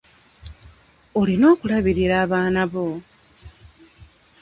Olina okulabirira abaana bo.